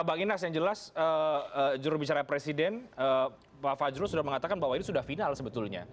bang inas yang jelas jurubicara presiden pak fajrul sudah mengatakan bahwa ini sudah final sebetulnya